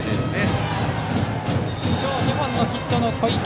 バッターは今日２本のヒットの小池。